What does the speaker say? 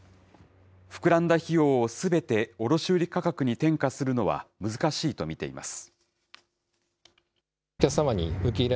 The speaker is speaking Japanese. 膨らんだ費用をすべて卸売価格に転嫁するのは難しいと見ています。